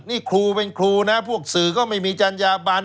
นี่ครูเป็นครูนะพวกสื่อก็ไม่มีจัญญาบัน